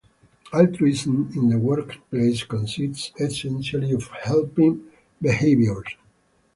Altruism in the workplace consists essentially of helping behaviors.